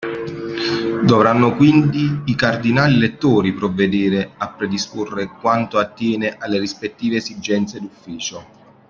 Dovranno quindi i Cardinali elettori provvedere a predisporre quanto attiene alle rispettive esigenze d'ufficio.